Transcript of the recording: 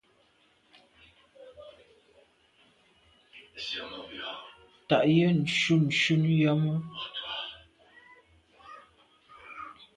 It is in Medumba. Tàa yen shunshun yàme.